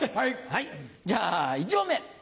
じゃあ１問目！